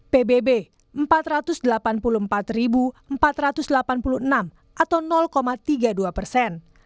pbb empat ratus delapan puluh empat empat ratus delapan puluh enam atau tiga puluh dua persen